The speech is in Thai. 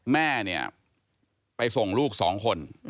แม่เนี่ยไปส่งลูก๒คน